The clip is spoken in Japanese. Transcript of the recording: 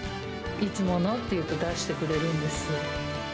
いつものと言うと出してくれるんです。